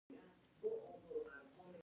مڼو ته لولي د نګهت سیوري